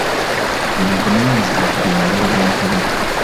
Y’avunaanyizibwa ku byambalo bya Kabaka.